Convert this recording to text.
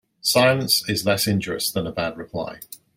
Silence is less injurious than a bad reply.